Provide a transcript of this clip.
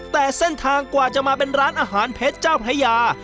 แต่เส้นทางกว่าจะมาเป็นร้านอาหารเพชรเจ้าพระยา